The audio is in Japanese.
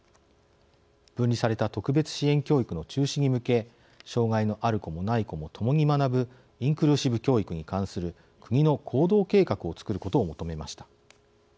分離された特別支援教育の中止に向け障害のある子もない子も共に学ぶインクルーシブ教育に関する国の行動計画を作ることを求めました。